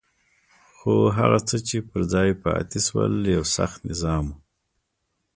خو هغه څه چې پر ځای پاتې شول یو سخت نظام وو.